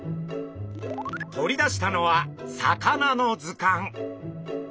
取り出したのは魚のずかん。